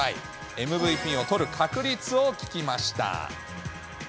ＭＶＰを取る確率を聞きました。